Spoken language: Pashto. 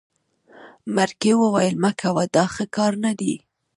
مرکې وویل مه کوه دا ښه کار نه دی.